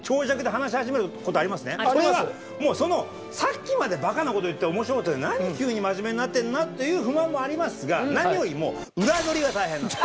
これはもうそのさっきまでバカな事言って面白かったのに何急に真面目になってるんだという不満もありますが何よりも裏取りが大変なんです。